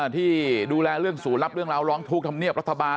ที่ดูแลเรื่องสู่รับเรื่องร้องทุกข์ทำเนียบรัฐบาล